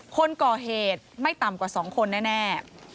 คนก่อเหตุไม่ต่ำกว่า๒คนแน่